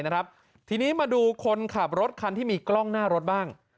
นะครับทีนี้มาดูค้นขับรถครั้งที่มีกล้องหน้ารถบ้าง